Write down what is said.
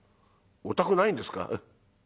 「お宅ないんですか」。